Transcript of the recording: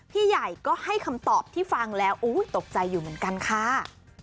พี่ใหญ่ก็ให้คำตอบที่ฟังแล้วตกใจอยู่เหมือนกันค่ะ